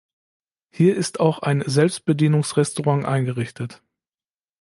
Hier ist auch ein Selbstbedienungsrestaurant eingerichtet.